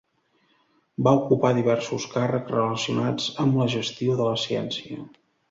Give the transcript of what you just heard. Va ocupar diversos càrrecs relacionats amb la gestió de la ciència.